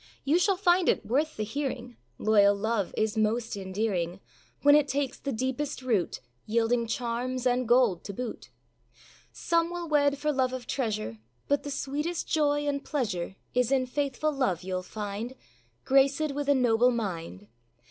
You shall find it worth the hearing; Loyal love is most endearing, When it takes the deepest root, Yielding charms and gold to boot. Some will wed for love of treasure; But the sweetest joy and pleasure Is in faithful love, youâll find, Gracèd with a noble mind.